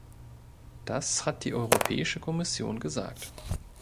Das hat die Europäische Kommission gesagt.